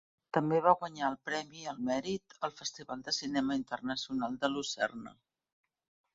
També va guanyar el Premi al Mèrit al Festival de Cinema Internacional de Lucerna.